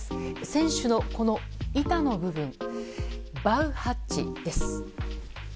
船首の板の部分、バウハッチです。